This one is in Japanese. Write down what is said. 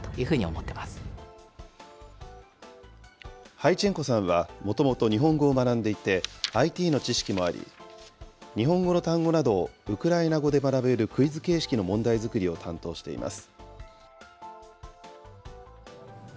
ハイチェンコさんは、もともと日本語を学んでいて、ＩＴの知識もあり、日本語の単語などをウクライナ語で学べるクイズ形式の問題作りを担当しています。